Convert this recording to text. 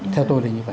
theo tôi là như vậy